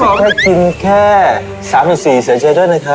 ที่ใส่กินแค่๓๔บาทแสดงเชิญเชิญด้วยนะครับ